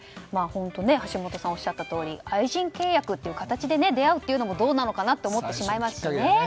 橋下さんおっしゃったとおり愛人契約という形で出会うというのもどうなのかなと思っちゃいますよね。